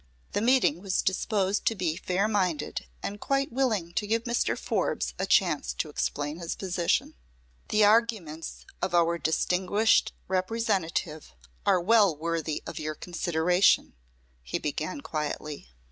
The meeting was disposed to be fair minded and quite willing to give Mr. Forbes a chance to explain his position. "The arguments of our distinguished Representative are well worthy of your consideration," he began, quietly.